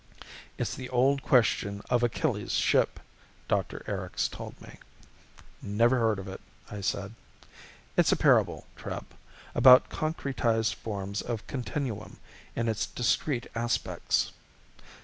"It's the old question of Achilles' Ship," Dr. Erics told me. "Never heard of it," I said. "It's a parable, Treb, about concretised forms of a continuum in its discrete aspects."